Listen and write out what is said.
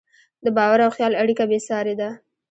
د باور او خیال اړیکه بېساري ده.